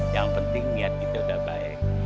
yang penting niat kita sudah baik